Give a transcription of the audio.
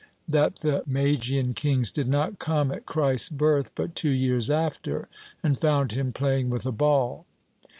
— That the Magian kings did not come at Christ's birth, but two years after, and found him playing with a ball.